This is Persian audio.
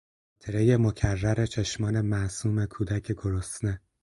خاطرهی مکرر چشمان معصوم کودک گرسنه